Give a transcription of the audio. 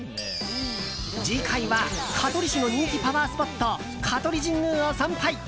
次回は香取市の人気パワースポット香取神宮を参拝。